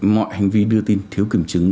mọi hành vi đưa tin thiếu kiểm chứng